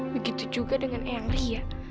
begitu juga dengan eyang ria